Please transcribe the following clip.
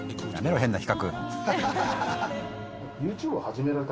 変な比較。